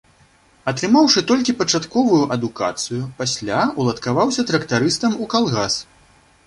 Атрымаўшы толькі пачатковую адукацыю, пасля уладкаваўся трактарыстам у калгас.